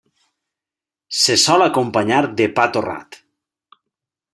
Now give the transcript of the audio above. Se sol acompanyar de pa torrat.